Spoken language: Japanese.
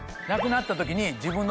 なくなった時に。